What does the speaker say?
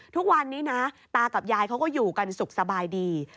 ทุกวันนี้นะตากับยายเขาก็อยู่กันสุขสบายดี